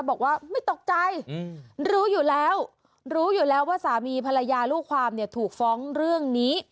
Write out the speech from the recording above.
บอกว่าไม่ตกใจรู้อยู่แล้วรู้อยู่แล้วว่าสามีภรรยาลูกความเนี่ยถูกฟ้องเรื่องนี้